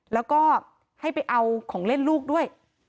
แล้วก็ให้ไปเอาของเล่นลูกด้วย